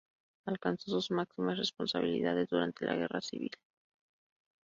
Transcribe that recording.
Alcanzó sus máximas responsabilidades durante la Guerra Civil.